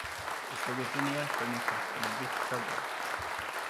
De slog inte ner förrän i trakten av Vittskövle.